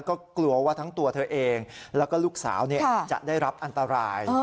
ก็กลัวว่าทั้งตัวเธอเองแล้วก็ลูกสาวจะได้รับอันตราย